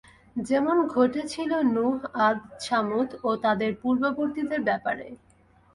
যেমন ঘটেছিল নূহ, আদ, ছামূদ ও তাদের পূর্ববর্তীদের ব্যাপারে।